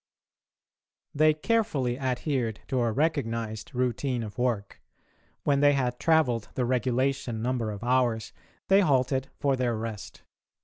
They carefully adhered to a recognised routine of work. When they had travelled the regulation number of hours they halted for their rest.